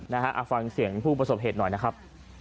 นะฮะเอาฟังเสียงผู้ประสบเหตุหน่อยนะครับ